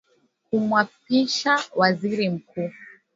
kumwapisha Waziri Mkuu